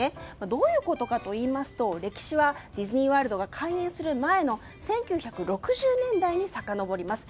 どういうことかといいますと歴史はディズニーワールドが開業する前の１９６０年代にさかのぼります。